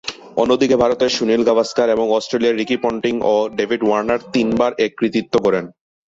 অন্যদিকে, ভারতের সুনীল গাভাস্কার এবং অস্ট্রেলিয়ার রিকি পন্টিং ও ডেভিড ওয়ার্নার তিনবার এ কৃতিত্ব গড়েন।